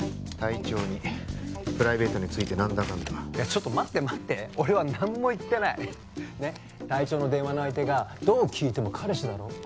隊長にプライベートについて何だかんだえっちょっと待って待って俺は何も言ってないねっ隊長の電話の相手がどう聞いても彼氏だろ？